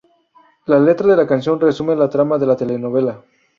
La letra de la canción resume la trama de la telenovela.